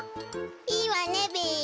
いいわねべ。